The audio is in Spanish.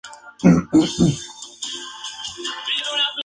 Está nombrado por Bolonia, una ciudad italiana.